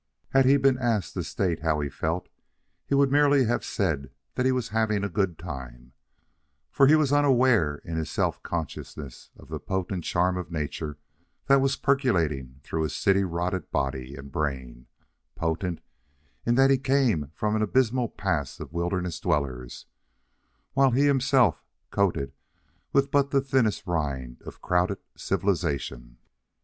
Had he been asked to state how he felt, he would merely have said that he was having a good time; for he was unaware in his self consciousness of the potent charm of nature that was percolating through his city rotted body and brain potent, in that he came of an abysmal past of wilderness dwellers, while he was himself coated with but the thinnest rind of crowded civilization.